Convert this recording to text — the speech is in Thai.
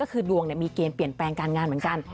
ก็คือดวงมีเกณฑ์เปลี่ยนแปลงการงานเหมือนกัน